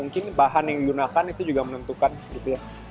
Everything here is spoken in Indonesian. mungkin bahan yang digunakan itu juga menentukan gitu ya